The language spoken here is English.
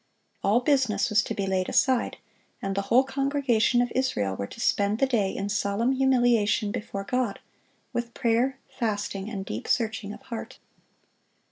All business was to be laid aside, and the whole congregation of Israel were to spend the day in solemn humiliation before God, with prayer, fasting, and deep searching of heart.